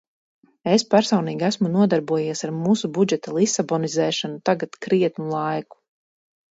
"Es personīgi esmu nodarbojies ar mūsu budžeta "lisabonizēšanu" tagad krietnu laiku."